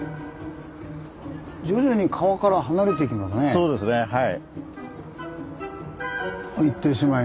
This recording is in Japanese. そうですねはい。